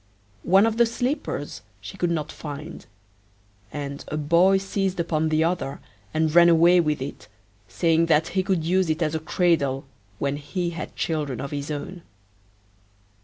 One of the slippers she could not find, and a boy seized upon the other and ran away with it, saying that he could use it as a cradle, when he had children of his own.